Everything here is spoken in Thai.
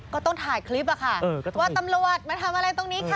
ก็ต้องถ่ายคลิปอะค่ะว่าตำรวจมาทำอะไรตรงนี้ค่ะ